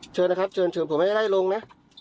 เชิญนะครับเชิญเชิญผมไม่ได้ไล่ลงนะ